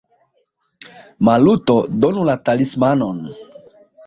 Maluto, donu la talismanon!